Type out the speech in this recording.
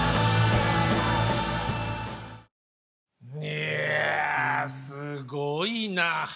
いやすごいなぁ。